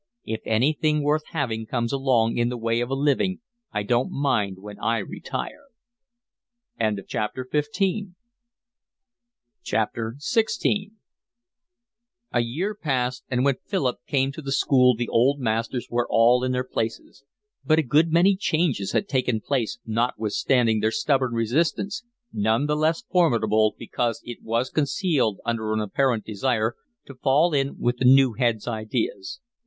"If anything worth having comes along in the way of a living I don't mind when I retire." XVI A year passed, and when Philip came to the school the old masters were all in their places; but a good many changes had taken place notwithstanding their stubborn resistance, none the less formidable because it was concealed under an apparent desire to fall in with the new head's ideas.